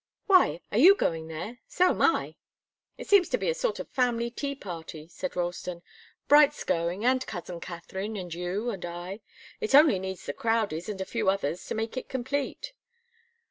"Why? Are you going there? So am I." "It seems to be a sort of family tea party," said Ralston. "Bright's going, and cousin Katharine, and you and I. It only needs the Crowdies and a few others to make it complete."